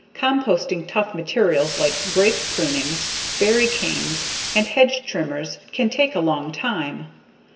Composting tough materials like grape prunings, berry canes, and hedge trimmings can take a long time.